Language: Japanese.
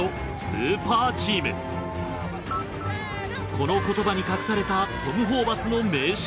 この言葉に隠されたトム・ホーバスの名将